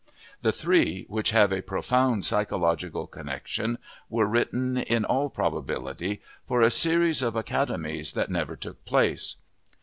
The three, which have a profound psychological connection, were written, in all probability, for a series of academies that never took place.